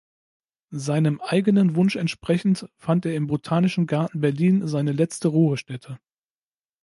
Seinem eigenen Wunsch entsprechend fand er im Botanischen Garten Berlin seine letzte Ruhestätte.